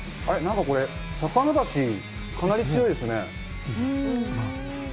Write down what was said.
あれ、なんかこれ、魚だし、かなり強いですね。